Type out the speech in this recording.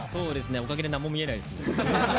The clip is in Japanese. おかげで何も見えないです。